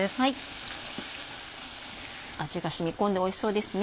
味が染み込んでおいしそうですね。